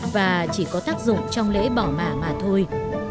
và chỉ có tác dụng trong lễ bỏ mả mà thôi